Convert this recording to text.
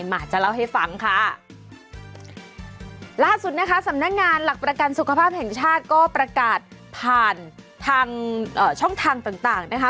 มาจะเล่าให้ฟังค่ะล่าสุดนะคะสำนักงานหลักประกันสุขภาพแห่งชาติก็ประกาศผ่านทางเอ่อช่องทางต่างต่างนะคะ